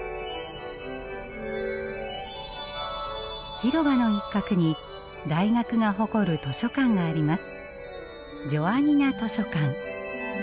広場の一角に大学が誇る図書館があります。